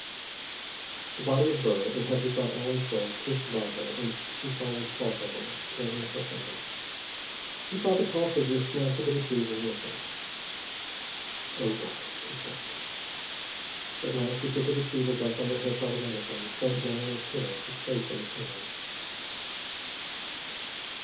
The body of Burr, inhabited by Allen's soul, pushed by her, and she followed falteringly, wringing her hands. She saw the tall figure snatch at the receiver and listen. "Oh, God," he cried. At last, he put the receiver back on the hook, automatically, and sank down in a chair, his face in his hands.